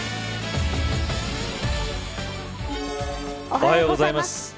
おはようございます。